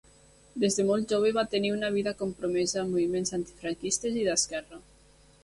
Des de molt jove va tenir una vida compromesa amb moviments antifranquistes i d'esquerra.